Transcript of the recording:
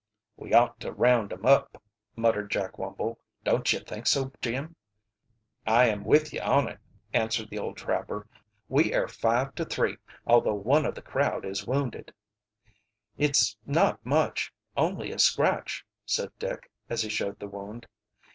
"We ought to round 'em up," muttered Jack Wumble. "Don't you think so, Jim?" "I am with ye on it," answered the old trapper. "We air five to three, although one o' the crowd is wounded." "It's not much only a scratch," said Dick, as he showed the wound.